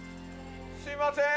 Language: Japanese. すいません。